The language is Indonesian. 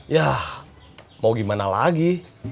yah mau gimana lagi